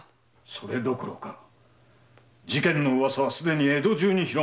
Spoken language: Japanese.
それどころか事件の噂はすでに江戸中に広まっております。